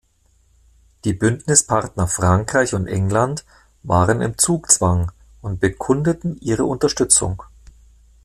Die Bündnispartner Frankreich und England waren im Zugzwang und bekundeten ihre Unterstützung.